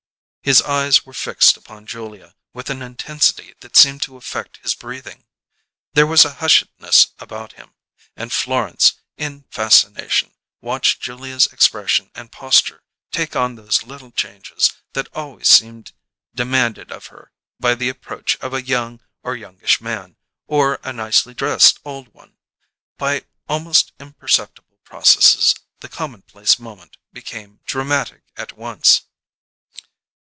His eyes were fixed upon Julia with an intensity that seemed to affect his breathing; there was a hushedness about him. And Florence, in fascination, watched Julia's expression and posture take on those little changes that always seemed demanded of her by the approach of a young or youngish man, or a nicely dressed old one. By almost imperceptible processes the commonplace moment became dramatic at once.